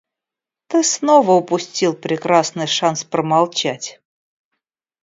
Ты снова упустил прекрасный шанс промолчать.